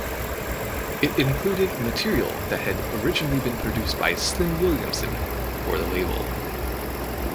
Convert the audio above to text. It included material that had originally been produced by Slim Williamson for the label.